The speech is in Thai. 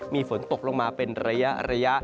มีฝนตกลงมาเป็นระยะ